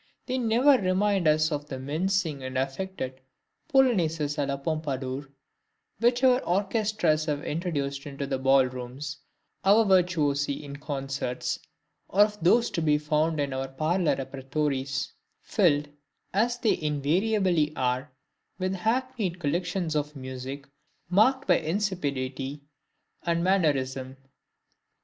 They never remind us of the mincing and affected "Polonaises a la Pompadour," which our orchestras have introduced into ball rooms, our virtuosi in concerts, or of those to be found in our "Parlor Repertories," filled, as they invariably are, with hackneyed collections of music, marked by insipidity and mannerism.